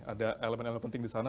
ada elemen elemen penting di sana